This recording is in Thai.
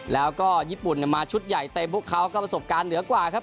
แล้วก็ญี่ปุ่นมาชุดใหญ่เต็มพวกเขาก็ประสบการณ์เหนือกว่าครับ